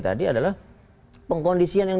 tadi adalah pengkondisian yang